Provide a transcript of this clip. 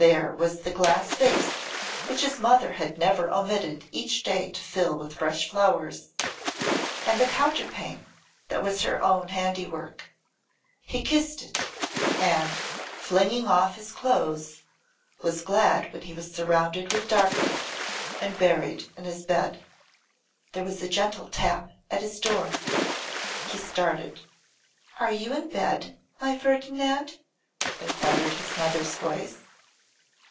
There was the glass vase which his mother had never omitted each day to fill with fresh flowers, and the counterpane that was her own handiwork. He kissed it; and, flinging off his clothes, was glad when he was surrounded with darkness and buried in his bed. There was a gentle tap at his door. He started. 'Are you in bed, my Ferdinand?' inquired his mother's voice.